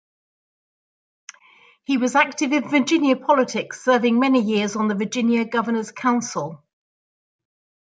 He was active in Virginia politics, serving many years on the Virginia Governor's Council.